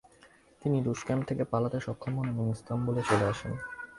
তিনি রুশ ক্যাম্প থেকে পালাতে সক্ষম হন এবং ইস্তানবুল চলে আসেন।